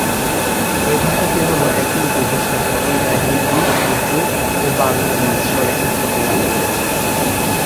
এই ভাষাটি হলো একটি উপভাষার ধরন, যা হিন্দি, উর্দু ও বাংলার মিশ্রণে উৎপত্তি লাভ করেছে।